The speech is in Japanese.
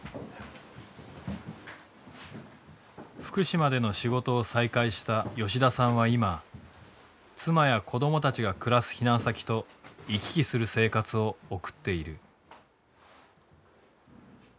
福島での仕事を再開した吉田さんは今妻や子供たちが暮らす避難先と行き来する生活を送っている。